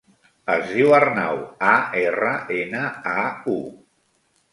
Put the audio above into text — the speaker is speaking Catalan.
Es diu Arnau: a, erra, ena, a, u.